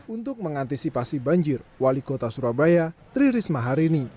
untuk mengantisipasi banjir wali kota surabaya tri risma hari ini